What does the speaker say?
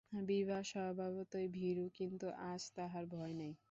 বিভা স্বভাবতই ভীরু, কিন্তু আজ তাহার ভয় নাই।